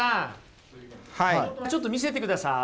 ちょっと見せてください。